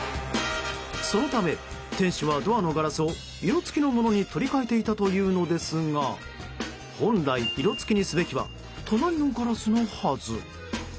そのため、店主はドアのガラスを色付きのものに取り換えていたというのですが本来、色付きにすべきは隣のガラスのはず。